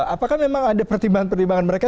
apakah memang ada pertimbangan pertimbangan mereka